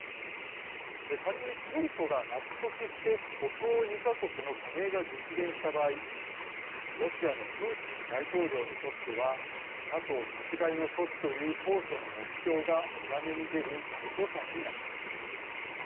仮にトルコが納得して北欧２か国の加盟が実現した場合ロシアのプーチン大統領にとってはＮＡＴＯ拡大の阻止という当初の目標が裏目に出る大誤算になります。